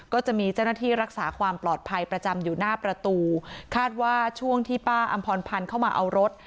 ก็จะมีเจ้าหน้าที่รักษาความปลอดภัยประจำอยู่หน้าประตูคาดว่าช่วงที่ป้าอำพรพันธ์เข้ามาเอารถ